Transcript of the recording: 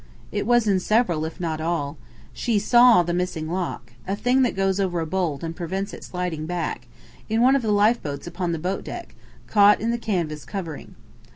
"It was in several, if not all. She 'saw' the missing lock a thing that goes over a bolt and prevents it sliding back in one of the lifeboats upon the boat deck, caught in the canvas covering.